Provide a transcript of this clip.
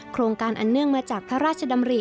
โครงการอันเนื่องมาจากพระราชดำริ